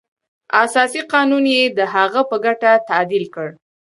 اساسي قانون یې د هغه په ګټه تعدیل کړ.